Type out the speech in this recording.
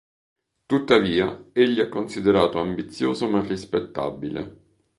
Tuttavia, egli è considerato ambizioso ma rispettabile.